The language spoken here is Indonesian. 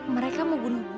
mereka mau bunuh gue